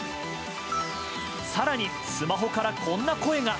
更に、スマホからこんな声が。